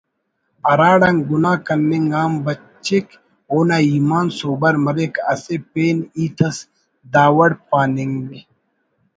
ہراڑان گناہ کننگ آن بچک اونا ایمان سوبر مریک اسہ پین ہیت اس داوڑ پاننگ